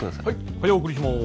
はい早送りします